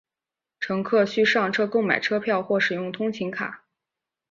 乘客需上车购买车票或使用通勤卡。